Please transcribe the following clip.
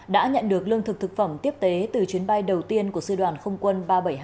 đã nhận được lương thực thực phẩm tiếp tế từ chuyến bay đầu tiên của sư đoàn không quân ba trăm bảy mươi hai